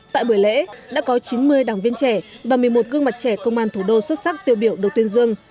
tại buổi lễ đã có chín mươi đảng viên trẻ và một mươi một gương mặt trẻ công an thủ đô xuất sắc tiêu biểu được tuyên dương